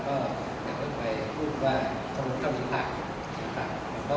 ที่ถมากมัดจากตลที่แหละ